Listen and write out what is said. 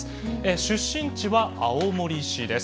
出身地は青森市です。